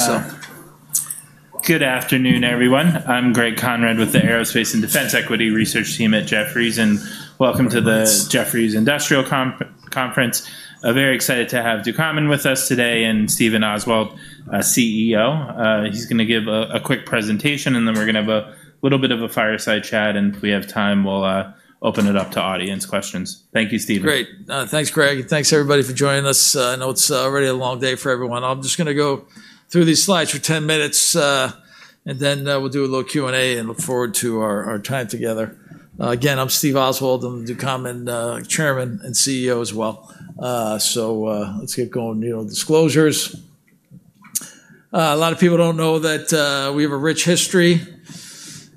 So, good afternoon, everyone. I'm Greg Konrad with the Aerospace and Defense Equity Research Team at Jefferies, and welcome to the Jefferies Industrial Conference. I'm very excited to have Ducommun with us today, and Stephen Oswald, CEO. He's gonna give a quick presentation, and then we're gonna have a little bit of a fireside chat, and if we have time, we'll open it up to audience questions. Thank you, Stephen. Great. Thanks, Greg, and thanks, everybody, for joining us. I know it's already a long day for everyone. I'm just gonna go through these slides for 10 minutes, and then we'll do a little Q&A, and look forward to our time together. Again, I'm Steve Oswald. I'm the Ducommun Chairman and CEO as well. So, let's get going. You know, disclosures. A lot of people don't know that we have a rich history.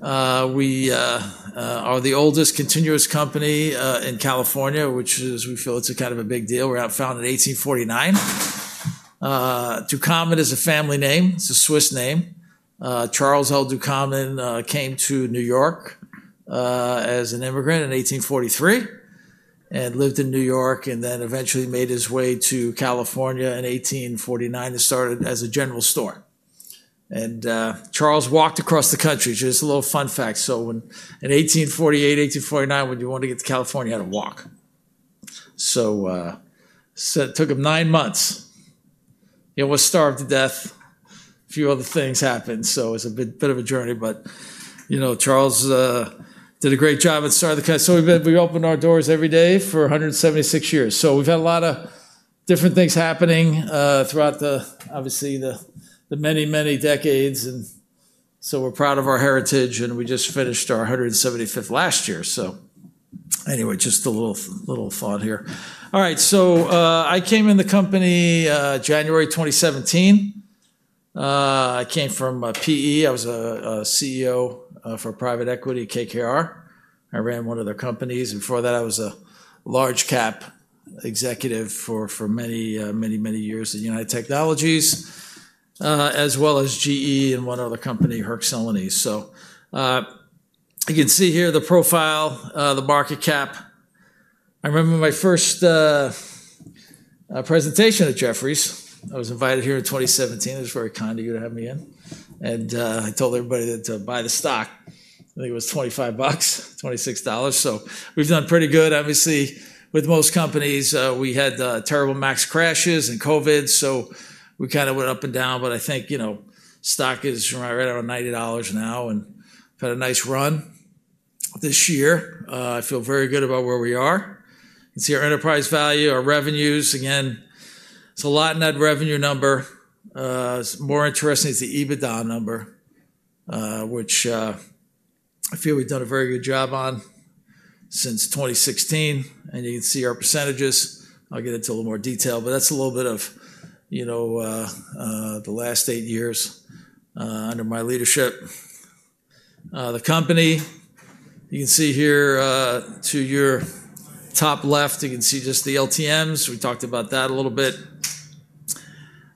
We are the oldest continuous company in California, which is, we feel it's a kind of a big deal. We were founded in 1849. Ducommun is a family name. It's a Swiss name. Charles L. Ducommun came to New York as an immigrant in 1843. Lived in New York and then eventually made his way to California in 1849 and started as a general store, and Charles walked across the country, just a little fun fact. In 1848, 1849, when you wanted to get to California, you had to walk. It took him nine months. He almost starved to death, a few other things happened, so it was a bit of a journey, but you know, Charles did a great job at starting the company. We opened our doors every day for a 176 years. We've had a lot of different things happening throughout, obviously, the many decades, and so we're proud of our heritage, and we just finished our175th last year. So anyway, just a little thought here. All right, I came in the company January 2017. I came from PE. I was a CEO for Private Equity, KKR. I ran one of their companies. Before that, I was a large cap executive for many years at United Technologies, as well as GE and one other company, Hoechst Celanese. You can see here the profile, the market cap. I remember my first presentation at Jefferies. I was invited here in 2017. It was very kind of you to have me in, and I told everybody to buy the stock. I think it was $25, $26, so we've done pretty good. Obviously, with most companies, we had terrible MAX crashes and COVID, so we kind of went up and down, but I think, you know, stock is right around $90 now and had a nice run this year. I feel very good about where we are. You can see our enterprise value, our revenues. Again, it's the LTM net revenue number. What's more interesting is the EBITDA number, which I feel we've done a very good job on since 2016, and you can see our percentages. I'll get into a little more detail, but that's a little bit of, you know, the last eight years under my leadership. The company, you can see here, to your top left, you can see just the LTMs. We talked about that a little bit.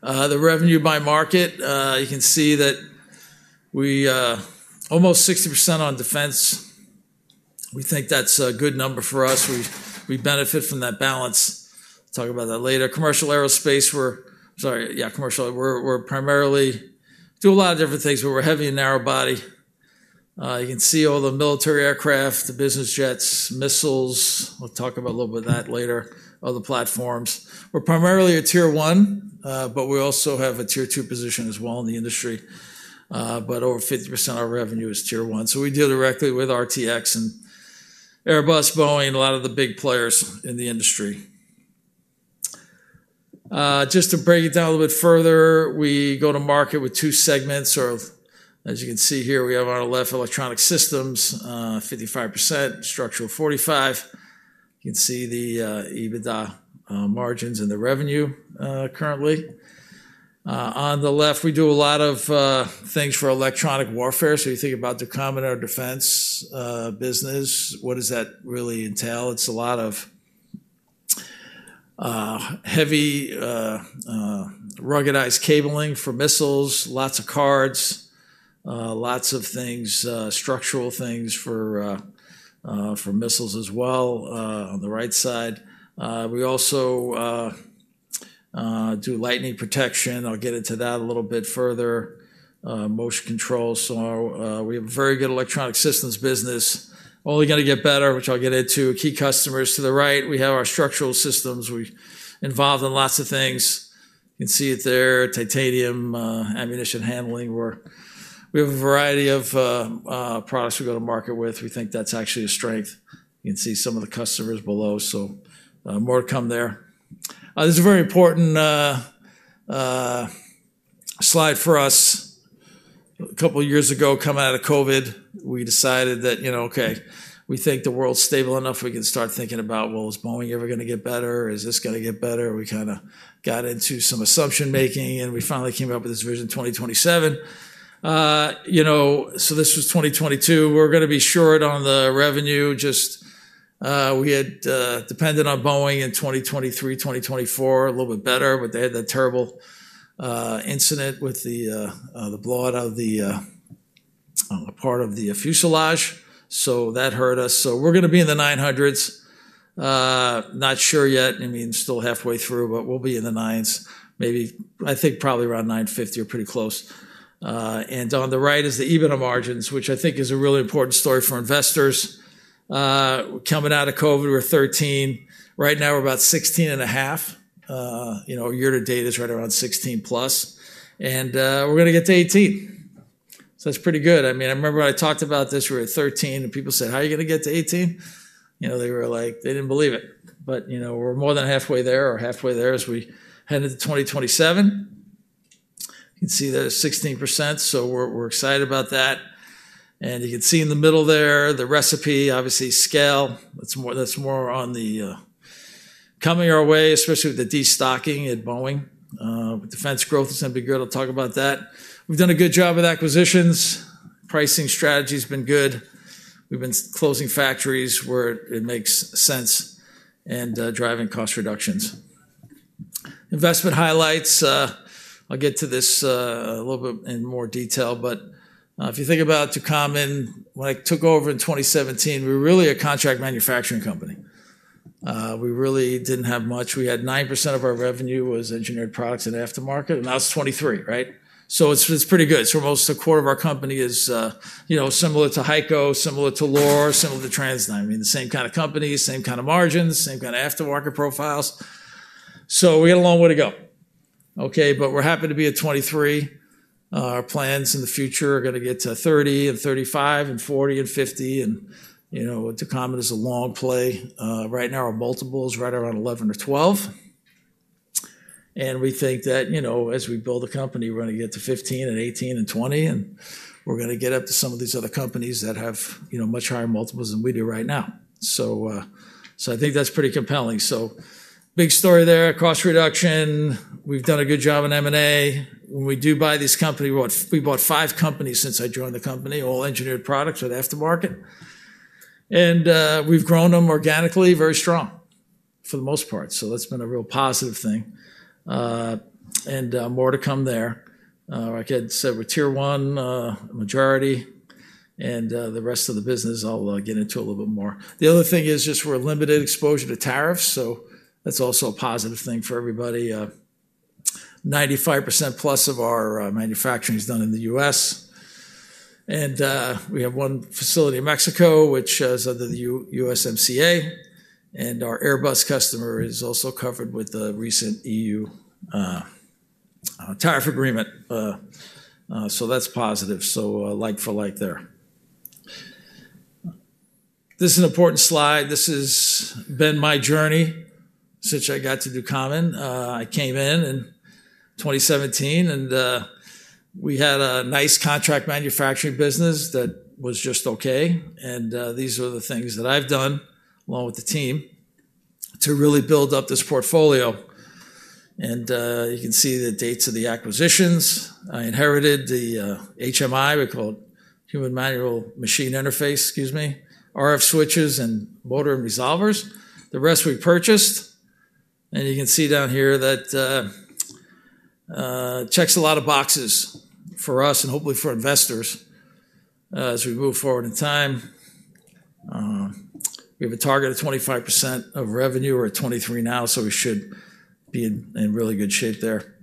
The revenue by market, you can see that we almost 60% on defense. We think that's a good number for us. We benefit from that balance. Talk about that later. Commercial aerospace, we're sorry, yeah, commercial. We're primarily do a lot of different things, but we're heavy in narrow body. You can see all the military aircraft, the business jets, missiles. We'll talk about a little bit of that later, other platforms. We're primarily a Tier One, but we also have a Tier Two position as well in the industry. But over 50% of our revenue is Tier One, so we deal directly with RTX and Airbus, Boeing, a lot of the big players in the industry. Just to break it down a little bit further, we go to market with two segments, or as you can see here, we have on the left, electronic systems, 55%, structural, 45%. You can see the EBITDA margins and the revenue currently. On the left, we do a lot of things for electronic warfare. So you think about Ducommun, our defense business. What does that really entail? It's a lot of heavy ruggedized cabling for missiles, lots of cards, lots of things, structural things for missiles as well, on the right side. We also do lightning protection. I'll get into that a little bit further. Motion control, so we have a very good electronic systems business. Only gonna get better, which I'll get into. Key customers to the right, we have our structural systems. We're involved in lots of things. You can see it there, titanium, ammunition handling. We have a variety of products we go to market with. We think that's actually a strength. You can see some of the customers below, so more to come there. This is a very important slide for us. A couple of years ago, coming out of COVID, we decided that, you know, okay, we think the world's stable enough, we can start thinking about, well, is Boeing ever gonna get better? Is this gonna get better? We kinda got into some assumption making, and we finally came up with this Vision 2027. You know, so this was 2022. We're gonna be short on the revenue. Just, we had, depended on Boeing in 2023, 2024, a little bit better, but they had that terrible, incident with the, the blowout of the, a part of the fuselage, so that hurt us. So we're gonna be in the 900s. Not sure yet, I mean, still halfway through, but we'll be in the nines, maybe, I think probably around 950 or pretty close. And on the right is the EBITDA margins, which I think is a really important story for investors. Coming out of COVID, we were 13%, right now we're about 16.5%. You know, year to date is right around 16%+, and we're gonna get to 18%. So that's pretty good. I mean, I remember when I talked about this, we were at 13%, and people said: "How are you gonna get to 18%?" You know, they were like, they didn't believe it. But you know, we're more than halfway there or halfway there as we head into 2027. You can see that it's 16%, so we're excited about that, and you can see in the middle there, the recipe, obviously, scale. That's more, that's more on the coming our way, especially with the destocking at Boeing. Defense growth is gonna be good. I'll talk about that. We've done a good job with acquisitions. Pricing strategy's been good. We've been closing factories where it makes sense and driving cost reductions. Investment highlights. I'll get to this a little bit in more detail, but if you think about Ducommun, when I took over in 2017, we were really a contract manufacturing company. We really didn't have much. We had 9% of our revenue was engineered products and aftermarket, and now it's 23%, right? So it's pretty good. So almost a quarter of our company is, you know, similar to HEICO, similar to Loar, similar to TransDigm. I mean, the same kind of companies, same kind of margins, same kind of aftermarket profiles. So we got a long way to go, okay? But we're happy to be at 23%. Our plans in the future are gonna get to 30% and 35% and 40% and 50%, and, you know, Ducommun is a long play. Right now, our multiple is right around 11 or 12, and we think that, you know, as we build a company, we're gonna get to 15 and 18 and 20, and we're gonna get up to some of these other companies that have, you know, much higher multiples than we do right now. So, so I think that's pretty compelling. So big story there, cost reduction. We've done a good job in M&A. When we do buy these companies, we bought five companies since I joined the company, all engineered products or aftermarket. And we've grown them organically, very strong, for the most part, so that's been a real positive thing. And more to come there. Like I said, we're Tier One majority, and the rest of the business, I'll get into a little bit more. The other thing is just we're a limited exposure to tariffs, so that's also a positive thing for everybody. 95% plus of our manufacturing is done in the U.S., and we have one facility in Mexico, which is under the USMCA, and our Airbus customer is also covered with the recent EU tariff agreement. So that's positive, so like for like there. This is an important slide. This has been my journey since I got to Ducommun. I came in in 2017, and we had a nice contract manufacturing business that was just okay, and these are the things that I've done, along with the team, to really build up this portfolio. You can see the dates of the acquisitions. I inherited the HMI, we call it human-machine interface, excuse me, RF switches, and motor and resolvers. The rest we purchased, and you can see down here that checks a lot of boxes for us and hopefully for investors as we move forward in time. We have a target of 25% of revenue. We're at 23% now, so we should be in really good shape there,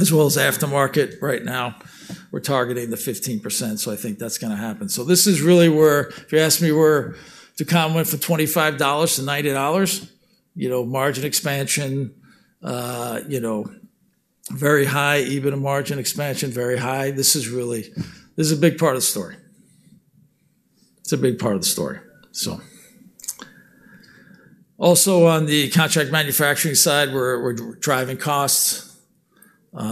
as well as aftermarket. Right now, we're targeting the 15%, so I think that's gonna happen. So this is really where, if you ask me, where Ducommun went from $25-$90, you know, margin expansion, you know, very high EBITDA margin expansion, very high. This is really. This is a big part of the story. It's a big part of the story, so... Also, on the contract manufacturing side, we're driving costs. You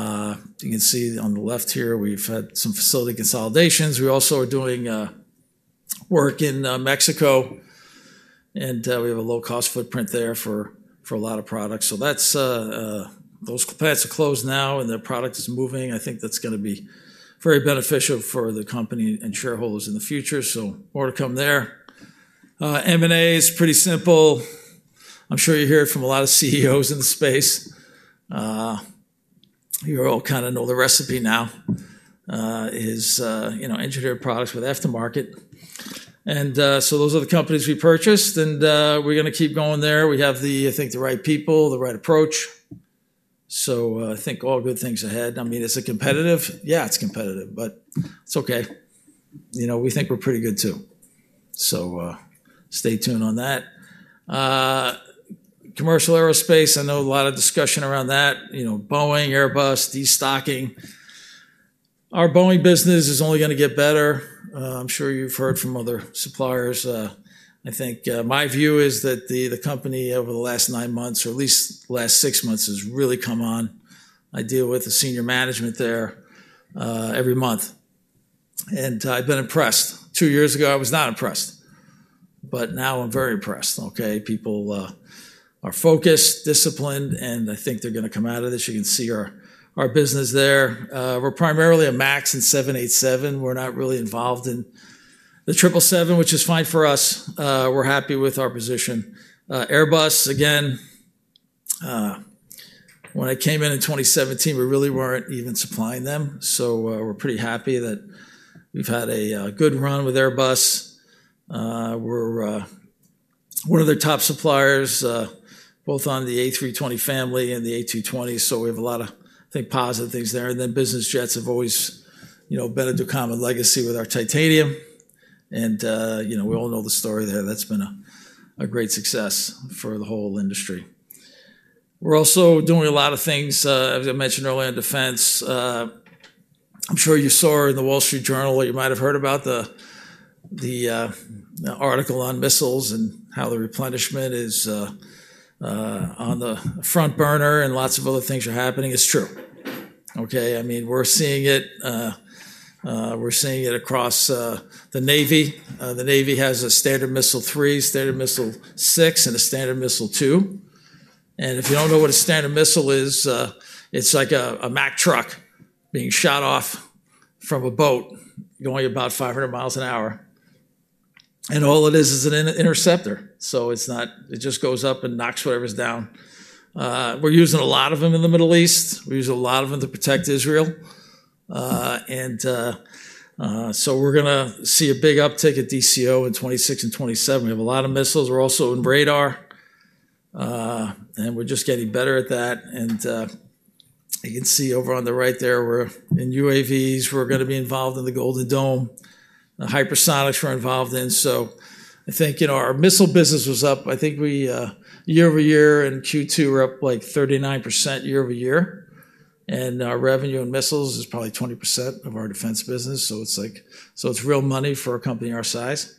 can see on the left here, we've had some facility consolidations. We also are doing work in Mexico, and we have a low-cost footprint there for a lot of products. So that's those plants are closed now, and their product is moving. I think that's gonna be very beneficial for the company and shareholders in the future, so more to come there. M&A is pretty simple. I'm sure you hear it from a lot of CEOs in the space. You all kinda know the recipe now, is you know, engineered products with aftermarket. And so those are the companies we purchased, and we're gonna keep going there. We have the, I think, the right people, the right approach. So I think all good things ahead. I mean, is it competitive? Yeah, it's competitive, but it's okay. You know, we think we're pretty good too. So, stay tuned on that. Commercial aerospace, I know a lot of discussion around that, you know, Boeing, Airbus, Destocking. Our Boeing business is only gonna get better. I'm sure you've heard from other suppliers. I think, my view is that the, the company, over the last nine months, or at least the last six months, has really come on. I deal with the senior management there, every month, and I've been impressed. Two years ago, I was not impressed, but now I'm very impressed, okay? People, are focused, disciplined, and I think they're gonna come out of this. You can see our, our business there. We're primarily a MAX and 787. We're not really involved in the Triple Seven, which is fine for us. We're happy with our position. Airbus, again, when I came in in 2017, we really weren't even supplying them, so, we're pretty happy that we've had a good run with Airbus. We're one of their top suppliers, both on the A320 family and the A220, so we have a lot of, I think, positive things there. And then business jets have always, you know, been a Ducommun legacy with our titanium, and, you know, we all know the story there. That's been a great success for the whole industry. We're also doing a lot of things, as I mentioned earlier, in defense. I'm sure you saw in the Wall Street Journal, or you might have heard about the article on missiles and how the replenishment is on the front burner, and lots of other things are happening. It's true. Okay? I mean, we're seeing it. We're seeing it across the Navy. The Navy has a Standard Missile-3, Standard Missile-6, and a Standard Missile-2. And if you don't know what a Standard Missile is, it's like a Mack truck being shot off from a boat going about 500 mi an hour, and all it is is an interceptor. So it's not... It just goes up and knocks whatever's down. We're using a lot of them in the Middle East. We use a lot of them to protect Israel. We're gonna see a big uptick at DCO in 2026 and 2027. We have a lot of missiles. We're also in radar, and we're just getting better at that, and you can see over on the right there, we're in UAVs. We're gonna be involved in the Golden Dome. Hypersonics we're involved in, so I think, you know, our missile business was up. I think we year-over-year in Q2, we're up, like, 39% year-over-year, and our revenue in missiles is probably 20% of our defense business. So it's like, so it's real money for a company our size.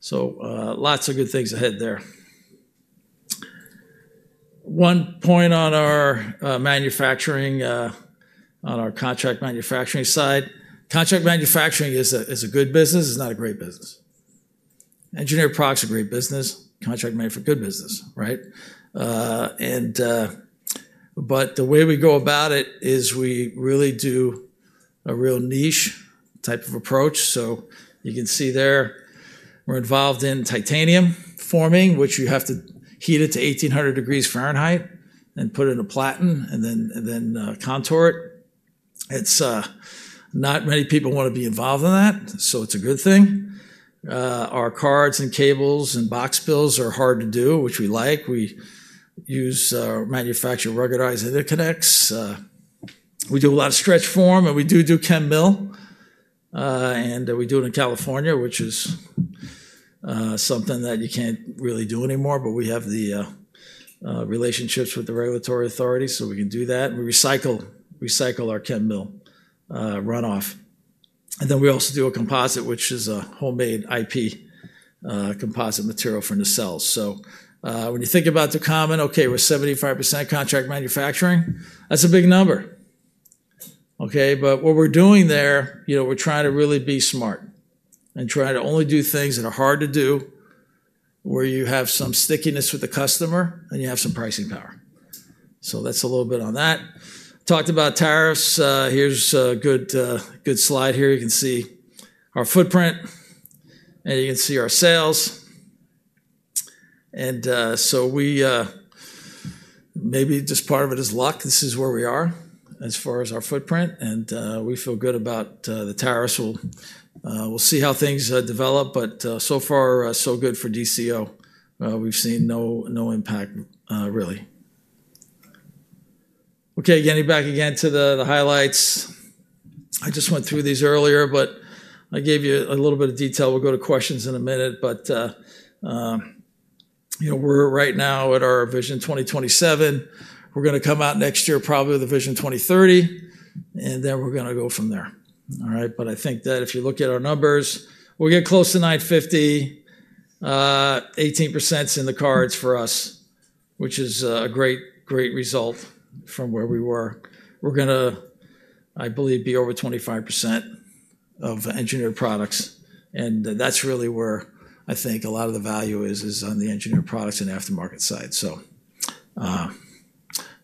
So, lots of good things ahead there. One point on our manufacturing, on our contract manufacturing side: contract manufacturing is a good business. It's not a great business. Engineered products are a great business, contract manufacturing, good business, right? But the way we go about it is we really do a real niche type of approach. So you can see there, we're involved in titanium forming, which you have to heat it to 1800 degrees Fahrenheit and put it in a platen and then contour it. It's not many people want to be involved in that, so it's a good thing. Our cards and cables and box builds are hard to do, which we like. We manufacture ruggedized interconnects. We do a lot of stretch form, and we do chem mill, and we do it in California, which is something that you can't really do anymore, but we have the relationships with the regulatory authorities, so we can do that. And we recycle our chem mill runoff. We also do a composite, which is a homemade IP composite material for nacelles. When you think about Ducommun, okay, we're 75% contract manufacturing, that's a big number, okay? But what we're doing there, you know, we're trying to really be smart and trying to only do things that are hard to do, where you have some stickiness with the customer, and you have some pricing power. That's a little bit on that. Talked about tariffs. Here's a good slide here. You can see our footprint, and you can see our sales. So we maybe just part of it is luck. This is where we are as far as our footprint, and we feel good about the tariffs. We'll see how things develop, but so far, so good for DCO. We've seen no impact really. Okay, getting back again to the highlights. I just went through these earlier, but I gave you a little bit of detail. We'll go to questions in a minute, but you know, we're right now at our Vision 2027. We're gonna come out next year probably with a Vision 2030, and then we're gonna go from there. All right? But I think that if you look at our numbers, we'll get close to 950. 18% is in the cards for us, which is a great result from where we were. We're gonna, I believe, be over 25% of engineered products, and that's really where I think a lot of the value is, is on the engineered products and aftermarket side. So,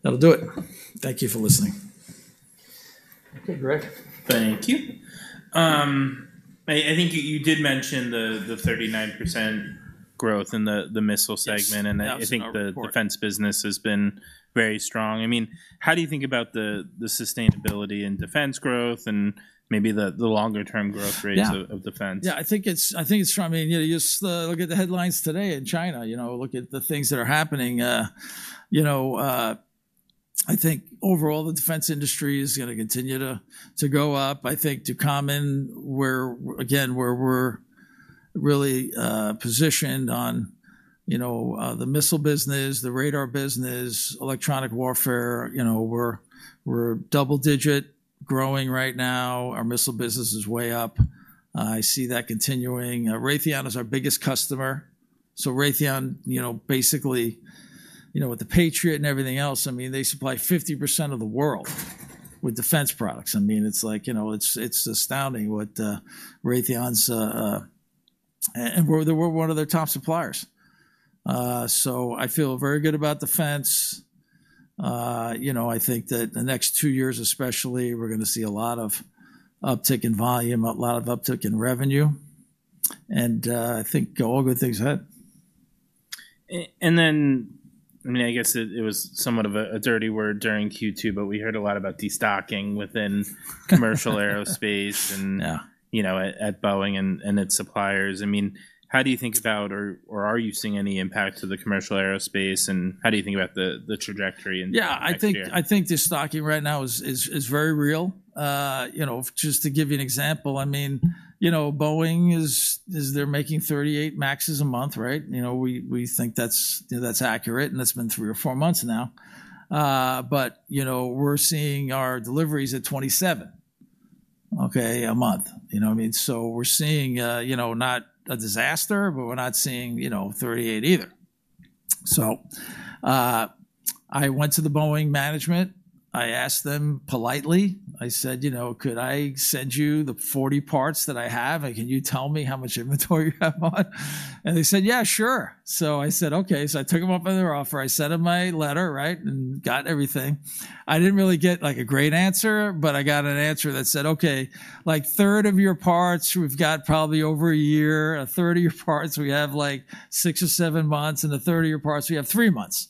that'll do it. Thank you for listening. Okay, Greg. Thank you. I think you did mention the 39% growth in the missile segment- Yes, that's in our report. - and I think the defense business has been very strong. I mean, how do you think about the sustainability in defense growth and maybe the longer-term growth rates- Yeah... of defense? Yeah, I think it's, I think it's strong. I mean, you know, you just look at the headlines today in China, you know, look at the things that are happening. You know, I think overall, the defense industry is gonna continue to go up. I think Ducommun, we're, again, we're really positioned on, you know, the missile business, the radar business, electronic warfare. You know, we're double-digit growing right now. Our missile business is way up. I see that continuing. Raytheon is our biggest customer, so Raytheon, you know, basically, you know, with the Patriot and everything else, I mean, they supply 50% of the world with defense products. I mean, it's like, you know, it's astounding what Raytheon's... And we're one of their top suppliers. So I feel very good about defense. You know, I think that the next two years especially, we're gonna see a lot of uptick in volume, a lot of uptick in revenue... and I think all good things ahead. And then, I mean, I guess it was somewhat of a dirty word during Q2, but we heard a lot about destocking within commercial aerospace and Yeah ... you know, at Boeing and its suppliers. I mean, how do you think about, or are you seeing any impact to the commercial aerospace, and how do you think about the trajectory in next year? Yeah, I think destocking right now is very real. You know, just to give you an example, I mean, you know, Boeing is. They're making 38 MAXes a month, right? You know, we think that's accurate, and that's been three or four months now. But, you know, we're seeing our deliveries at 27 a month. You know what I mean? So we're seeing, you know, not a disaster, but we're not seeing, you know, 38 either. So, I went to the Boeing management. I asked them politely. I said, "You know, could I send you the 40 parts that I have, and can you tell me how much inventory you have on?" And they said, "Yeah, sure!" So I said, "Okay." So I took them up on their offer. I sent them my letter, right, and got everything. I didn't really get, like, a great answer, but I got an answer that said: "Okay, like, a third of your parts, we've got probably over a year, a third of your parts, we have, like, six or seven months, and a third of your parts, we have three months."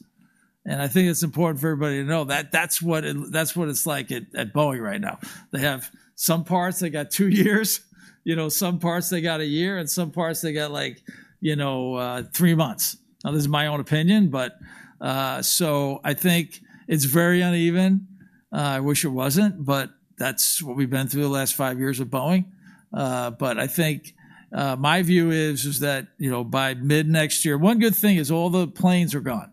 And I think it's important for everybody to know that that's what it-- that's what it's like at Boeing right now. They have some parts, they got two years, you know, some parts they got a year, and some parts they got, like, you know, three months. Now, this is my own opinion, but, so I think it's very uneven. I wish it wasn't, but that's what we've been through the last five years at Boeing. But I think my view is that, you know, by mid-next year. One good thing is all the planes are gone.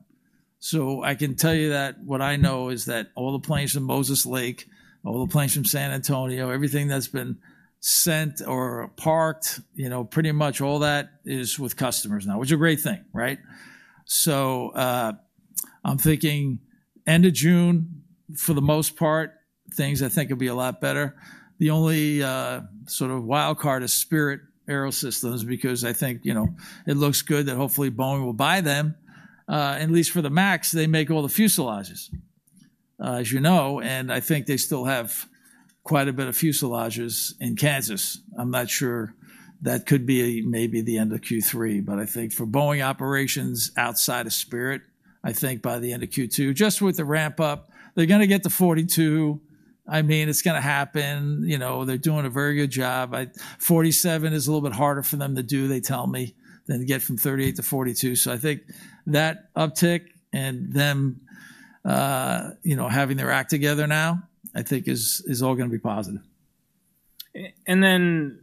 So I can tell you that what I know is that all the planes from Moses Lake, all the planes from San Antonio, everything that's been sent or parked, you know, pretty much all that is with customers now, which is a great thing, right? So, I'm thinking end of June, for the most part, things I think will be a lot better. The only sort of wild card is Spirit AeroSystems, because I think, you know, it looks good that hopefully Boeing will buy them. At least for the MAX, they make all the fuselages, as you know, and I think they still have quite a bit of fuselages in Kansas. I'm not sure. That could be maybe the end of Q3, but I think for Boeing operations outside of Spirit, I think by the end of Q2, just with the ramp-up, they're gonna get to 42. I mean, it's gonna happen. You know, they're doing a very good job. 47 is a little bit harder for them to do, they tell me, than to get from 38-42. So I think that uptick and them, you know, having their act together now, I think is all gonna be positive. And then,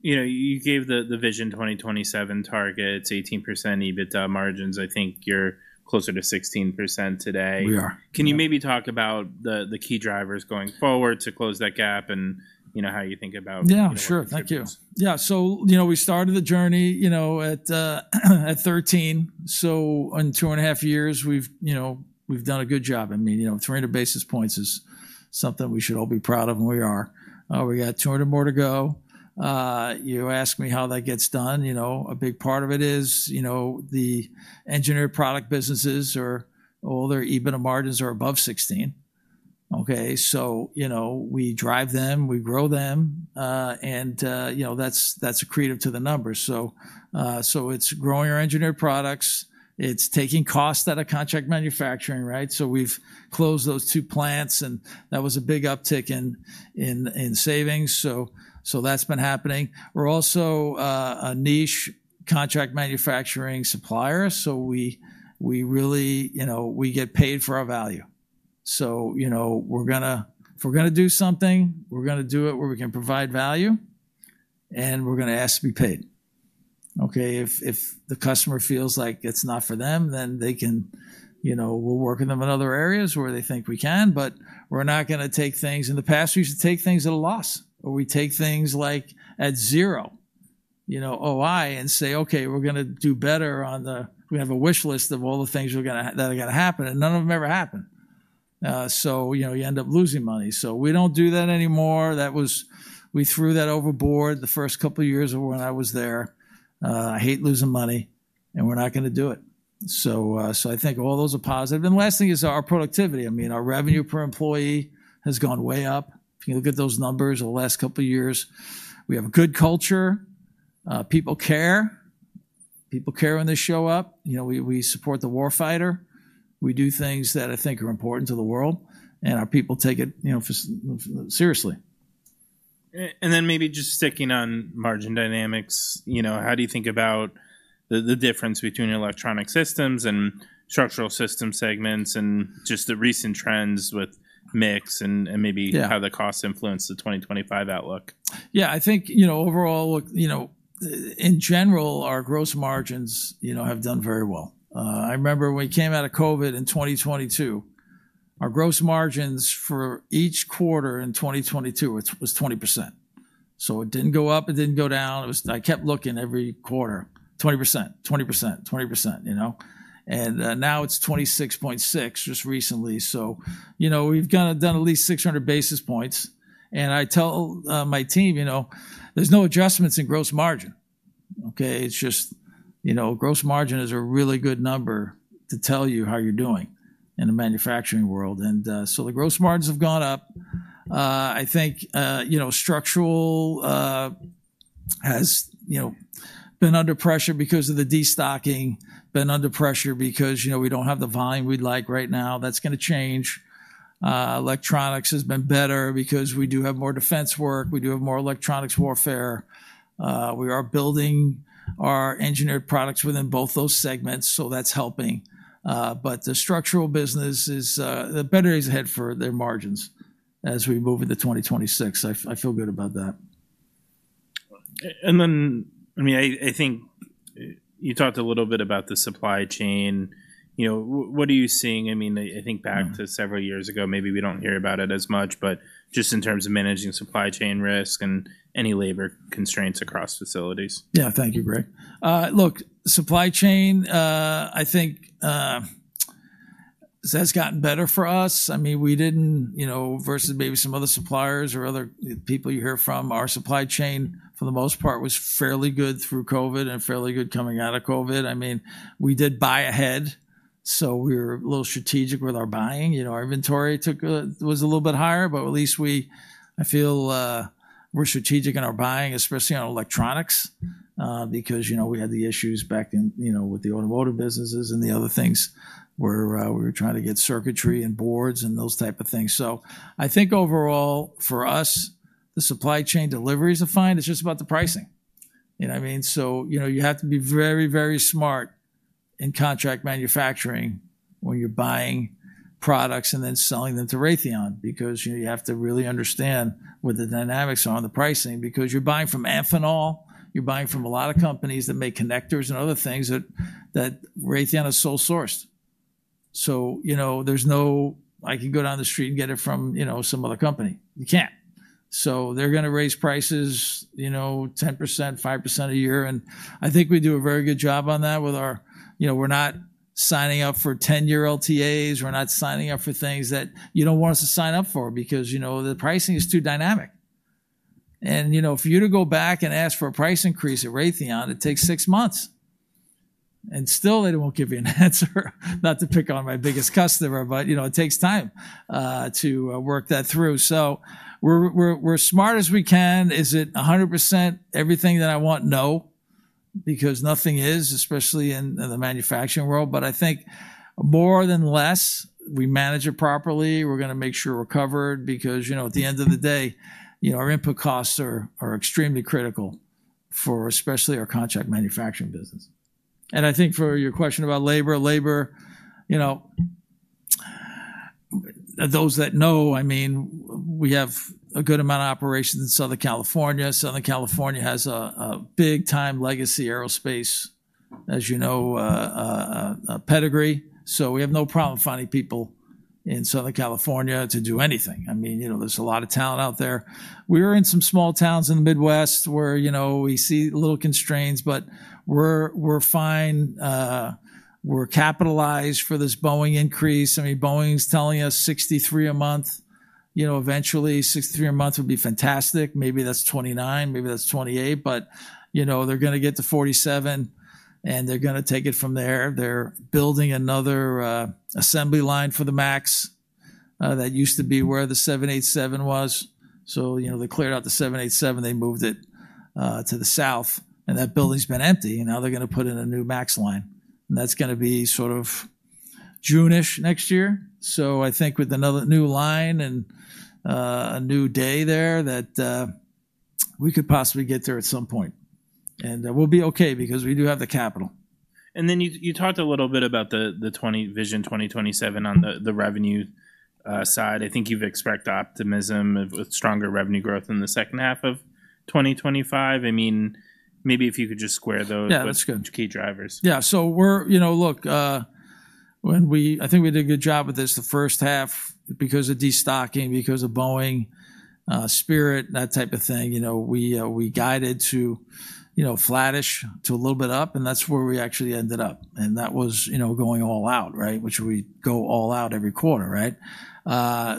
you know, you gave the Vision 2027 targets, 18% EBITDA margins. I think you're closer to 16% today. We are. Can you maybe talk about the key drivers going forward to close that gap and, you know, how you think about- Yeah, sure. The difference. Thank you. Yeah, so, you know, we started the journey, you know, at 13, so in 2.5 years, we've, you know, we've done a good job. I mean, you know, 300 basis points is something we should all be proud of, and we are. We got 200 more to go. You ask me how that gets done, you know, a big part of it is, you know, the engineered product businesses are all their EBITDA margins are above 16, okay? So, you know, we drive them, we grow them, and, you know, that's, that's accretive to the numbers. So, so it's growing our engineered products. It's taking costs out of contract manufacturing, right? So we've closed those two plants, and that was a big uptick in savings, so, so that's been happening. We're also a niche contract manufacturing supplier, so we really-- you know, we get paid for our value. So, you know, we're gonna-- if we're gonna do something, we're gonna do it where we can provide value, and we're gonna ask to be paid. Okay, if the customer feels like it's not for them, then they can... You know, we'll work with them in other areas where they think we can, but we're not gonna take things-- In the past, we used to take things at a loss, or we take things, like, at zero, you know, OI, and say, "Okay, we're gonna do better on the..." We have a wish list of all the things we're gonna that are gonna happen, and none of them ever happen. So, you know, you end up losing money. So we don't do that anymore. We threw that overboard the first couple of years when I was there. I hate losing money, and we're not gonna do it. So, I think all those are positive, and the last thing is our productivity. I mean, our revenue per employee has gone way up, if you look at those numbers over the last couple of years. We have a good culture. People care. People care when they show up. You know, we support the war fighter. We do things that I think are important to the world, and our people take it seriously. And then maybe just sticking on margin dynamics, you know, how do you think about the difference between Electronic Systems and Structural Systems segments and just the recent trends with mix and maybe- Yeah... how the costs influence the 2025 outlook? Yeah, I think, you know, overall, you know, in general, our gross margins, you know, have done very well. I remember when we came out of COVID in 2022, our gross margins for each quarter in 2022, it was 20%. So it didn't go up, it didn't go down. It was. I kept looking every quarter, 20%, 20%, 20%, you know, and now it's 26.6% just recently, so, you know, we've kinda done at least 600 basis points, and I tell my team, "You know, there's no adjustments in gross margin," okay? It's just. You know, gross margin is a really good number to tell you how you're doing in the manufacturing world, and so the gross margins have gone up. I think, you know, structural has, you know, been under pressure because of the destocking, you know, we don't have the volume we'd like right now. That's gonna change. Electronics has been better because we do have more defense work. We do have more electronic warfare. We are building our engineered products within both those segments, so that's helping. But the structural business is, the better is ahead for their margins as we move into 2026. I feel good about that. And then, I mean, I think you talked a little bit about the supply chain. You know, what are you seeing? I mean, I think back to several years ago, maybe we don't hear about it as much, but just in terms of managing supply chain risk and any labor constraints across facilities. Yeah. Thank you, Greg. Look, supply chain, I think, that's gotten better for us. I mean, we didn't, you know, versus maybe some other suppliers or other people you hear from, our supply chain, for the most part, was fairly good through COVID and fairly good coming out of COVID. I mean, we did buy ahead, so we were a little strategic with our buying. You know, our inventory was a little bit higher, but at least we, I feel, we're strategic in our buying, especially on electronics, because, you know, we had the issues back in, you know, with the automotive businesses and the other things, where we were trying to get circuitry and boards and those type of things. So I think overall, for us, the supply chain deliveries are fine. It's just about the pricing. You know what I mean? So, you know, you have to be very, very smart in contract manufacturing when you're buying products and then selling them to Raytheon because, you know, you have to really understand what the dynamics are on the pricing. Because you're buying from Amphenol, you're buying from a lot of companies that make connectors and other things that Raytheon is sole source. So, you know, there's no, "I can go down the street and get it from, you know, some other company." You can't. So they're gonna raise prices, you know, 10%, 5% a year, and I think we do a very good job on that with our... You know, we're not signing up for 10-year LTAs. We're not signing up for things that you don't want us to sign up for because, you know, the pricing is too dynamic. And, you know, for you to go back and ask for a price increase at Raytheon, it takes six months, and still they won't give you an answer. Not to pick on my biggest customer, but, you know, it takes time to work that through. So we're smart as we can. Is it 100% everything that I want? No, because nothing is, especially in the manufacturing world, but I think more than less, we manage it properly. We're gonna make sure we're covered because, you know, at the end of the day, you know, our input costs are extremely critical for especially our contract manufacturing business. And I think for your question about labor, you know, those that know, I mean, we have a good amount of operations in Southern California. Southern California has a big-time legacy aerospace, as you know, a pedigree, so we have no problem finding people in Southern California to do anything. I mean, you know, there's a lot of talent out there. We're in some small towns in the Midwest where, you know, we see little constraints, but we're fine. We're capitalized for this Boeing increase. I mean, Boeing's telling us 63 a month. You know, eventually, 63 a month would be fantastic. Maybe that's 29, maybe that's 28, but, you know, they're gonna get to 47, and they're gonna take it from there. They're building another assembly line for the MAX, that used to be where the 787 was. So, you know, they cleared out the 787, they moved it to the south, and that building's been empty, and now they're gonna put in a new MAX line, and that's gonna be sort of June-ish next year. So I think with another new line and a new day there, that we could possibly get there at some point, and we'll be okay because we do have the capital. Then you talked a little bit about the Vision 2027 on the revenue side. I think you've expressed optimism with stronger revenue growth in the second half of 2025. I mean, maybe if you could just square those- Yeah, that's good. -key drivers. Yeah. So we're... You know, look, when we-- I think we did a good job with this the first half because of destocking, because of Boeing, Spirit, that type of thing. You know, we guided to, you know, flattish to a little bit up, and that's where we actually ended up, and that was, you know, going all out, right? Which we go all out every quarter, right?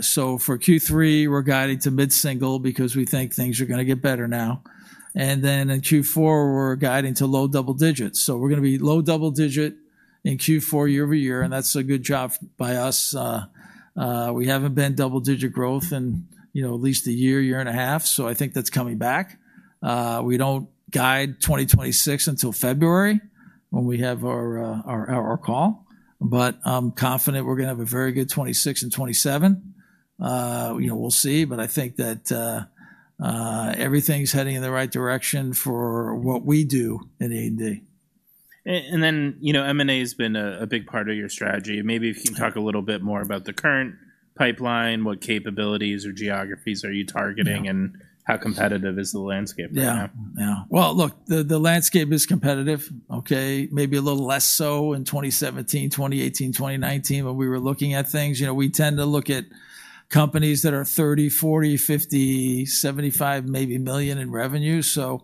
So for Q3, we're guiding to mid-single because we think things are gonna get better now, and then in Q4, we're guiding to low double digits. So we're gonna be low double digit in Q4, year-over-year, and that's a good job by us. We haven't been double-digit growth in, you know, at least a year, year and a half, so I think that's coming back. We don't guide 2026 until February, when we have our call, but I'm confident we're gonna have a very good 2026 and 2027. You know, we'll see, but I think that everything's heading in the right direction for what we do at A&D. And then, you know, M&A has been a big part of your strategy. Maybe if you can talk a little bit more about the current pipeline, what capabilities or geographies are you targeting? Yeah... and how competitive is the landscape now? Yeah, yeah. Well, look, the landscape is competitive, okay? Maybe a little less so in 2017, 2018, 2019, when we were looking at things. You know, we tend to look at companies that are 30, 40, 50, 75, million in revenue. So,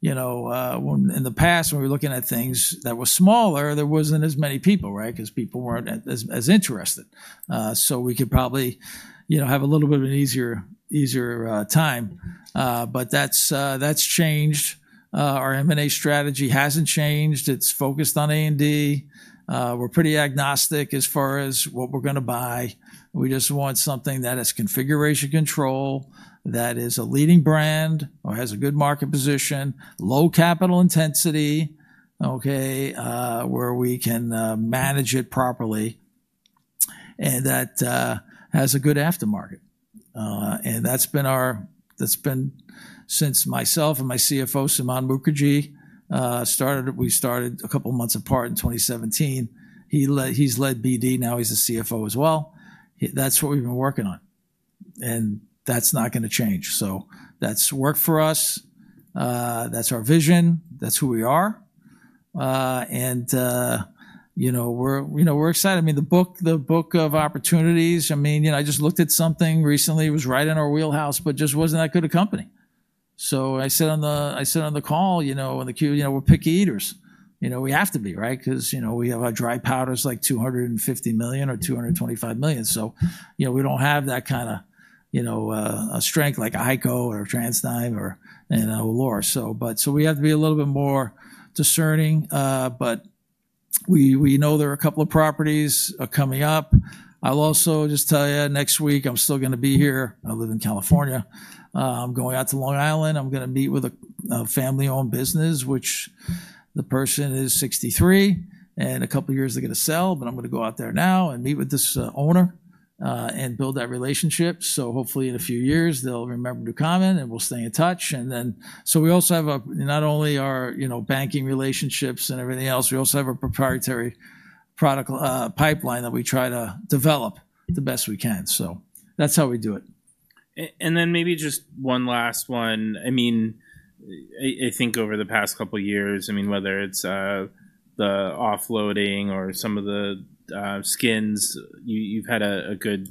you know, when in the past, when we were looking at things that were smaller, there wasn't as many people, right? Because people weren't as interested. So we could probably, you know, have a little bit of an easier time, but that's changed. Our M&A strategy hasn't changed. It's focused on A&D. We're pretty agnostic as far as what we're gonna buy. We just want something that has configuration control, that is a leading brand or has a good market position, low capital intensity, okay, where we can manage it properly, and that has a good aftermarket, and that's been since myself and my CFO, Suman Mukherjee, started. We started a couple months apart in 2017. He's led BD, now he's the CFO as well. That's what we've been working on, and that's not gonna change, so that's worked for us. That's our vision. That's who we are, and you know, we're excited. I mean, the book of opportunities, I mean, you know, I just looked at something recently. It was right in our wheelhouse, but just wasn't that good a company. So I said on the, I said on the call, you know, on the Q, "You know, we're picky eaters." You know, we have to be, right? 'Cause, you know, we have our dry powder's, like, $250 million or $225 million. So, you know, we don't have that kind of, you know, a strength like HEICO or TransDigm or, you know, Loar. So, but, so we have to be a little bit more discerning, but we, we know there are a couple of properties are coming up. I'll also just tell you, next week, I'm still gonna be here. I live in California. I'm going out to Long Island. I'm gonna meet with a family-owned business, which the person is 63, and in a couple years they're gonna sell, but I'm gonna go out there now and meet with this owner and build that relationship. So hopefully in a few years they'll remember Ducommun, and we'll stay in touch, and then. So we also have a, not only our, you know, banking relationships and everything else, we also have a proprietary product pipeline that we try to develop the best we can. So that's how we do it. And then maybe just one last one. I mean, I think over the past couple of years, I mean, whether it's the offloading or some of the skins, you've had a good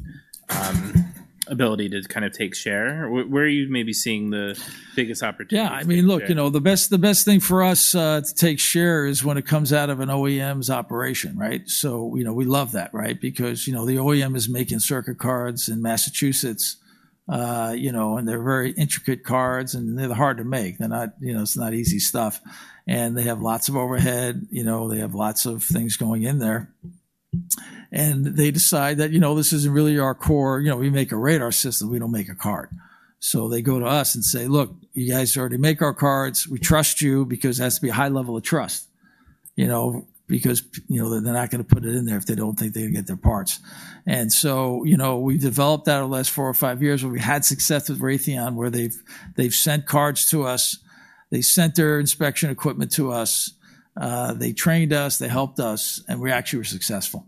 ability to kind of take share. Where are you maybe seeing the biggest opportunity? Yeah, I mean, look, you know, the best, the best thing for us to take share is when it comes out of an OEM's operation, right? So, you know, we love that, right? Because, you know, the OEM is making circuit cards in Massachusetts, you know, and they're very intricate cards, and they're hard to make. They're not... You know, it's not easy stuff, and they have lots of overhead. You know, they have lots of things going in there. And they decide that, you know, "This isn't really our core. You know, we make a radar system. We don't make a card." So they go to us and say, "Look, you guys already make our cards. We trust you," because it has to be a high level of trust, you know? Because, you know, they're not gonna put it in there if they don't think they're gonna get their parts. And so, you know, we've developed that over the last four or five years, where we've had success with Raytheon, where they've sent cards to us. They sent their inspection equipment to us. They trained us, they helped us, and we actually were successful.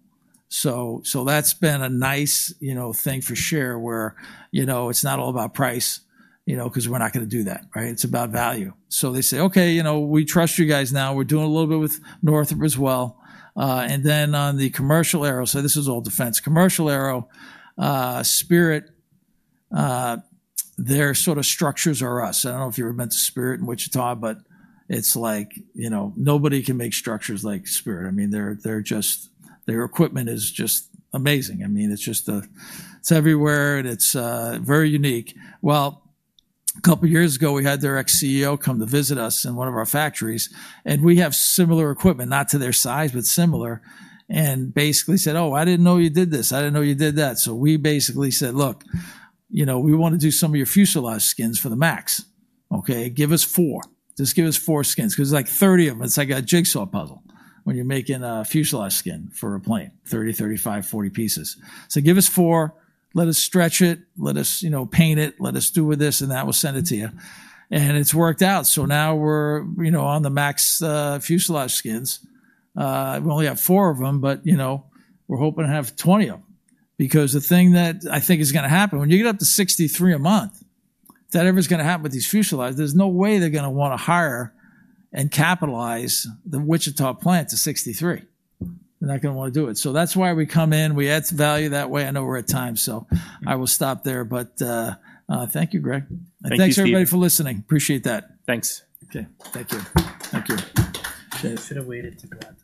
So that's been a nice, you know, thing for share, where, you know, it's not all about price, you know, 'cause we're not gonna do that, right? It's about value. So they say, "Okay, you know, we trust you guys now." We're doing a little bit with Northrop as well. And then on the commercial aero, so this is all defense. Commercial aero, Spirit, their sort of structures are us. I don't know if you were ever been to Spirit in Wichita, but it's like, you know, nobody can make structures like Spirit. I mean, their equipment is just amazing. I mean, it's just, it's everywhere, and it's very unique. Well, a couple of years ago, we had their ex-CEO come to visit us in one of our factories, and we have similar equipment, not to their size, but similar, and basically said, "Oh, I didn't know you did this. I didn't know you did that." So we basically said: Look, you know, we want to do some of your fuselage skins for the MAX, okay? Give us four. Just give us four skins, 'cause there's, like, 30 of them. It's like a jigsaw puzzle when you're making a fuselage skin for a plane, 30, 35, 40 pieces. So give us four, let us stretch it, let us, you know, paint it, let us do with this, and then we'll send it to you. And it's worked out. So now we're, you know, on the MAX, fuselage skins. We only have four of them, but, you know, we're hoping to have 20 of them, because the thing that I think is gonna happen, when you get up to 63 a month, if that ever is gonna happen with these fuselages, there's no way they're gonna wanna hire and capitalize the Wichita plant to 63. They're not gonna wanna do it. So that's why we come in. We add value that way. I know we're at time, so I will stop there. But, thank you, Greg. Thank you, Steve. Thanks, everybody, for listening. Appreciate that. Thanks. Okay, thank you. Thank you.